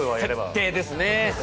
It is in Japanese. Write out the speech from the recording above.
設定ですね。